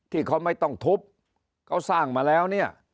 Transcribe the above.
ที่เขาไม่ต้องทุบเขาสร้างมาแล้วเนี่ย